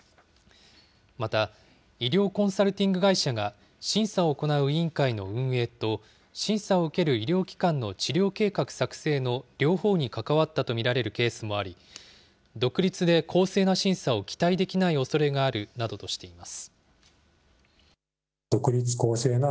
また、医療コンサルティング会社が審査を行う委員会の運営と、審査を受ける医療機関の治療計画作成の両方に関わったと見られるケースもあり、独立で公正な審査を期待できないおそれがあるなどとしています。